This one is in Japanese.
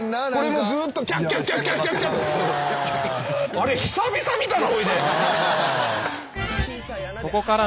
あれ久々見たな。